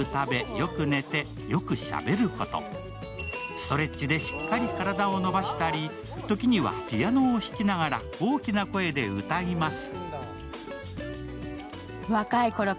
ストレッチでしっかり体を伸ばしたり、時にはピアノを弾きながら大きな声で歌います。